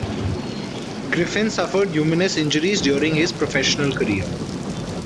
Griffin suffered numerous injuries during his professional career.